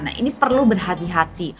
nah ini perlu berhati hati